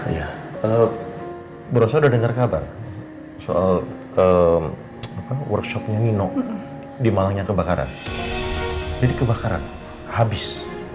ya broso sudah dengar kabar soal workshopnya nino dimalangnya kebakaran jadi kebakaran habis